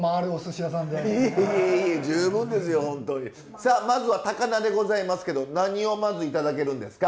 さあまずは高菜でございますけど何をまず頂けるんですか？